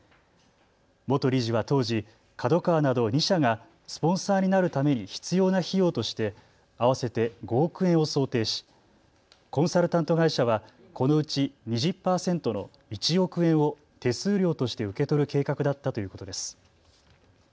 元理事は当時、ＫＡＤＯＫＡＷＡなど２社がスポンサーになるために必要な費用として合わせて５億円を想定しコンサルタント会社はこのうち２０％の１億円を手数料として受け取る計画だったということです。